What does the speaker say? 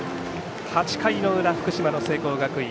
８回の裏、福島の聖光学院